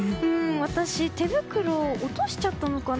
私、手袋落としちゃったのかな。